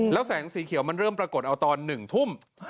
แล้วแสงสีเขียวมันเริ่มปรากฏเอาตอน๑ทุ่ม